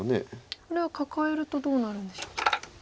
これはカカえるとどうなるんでしょう？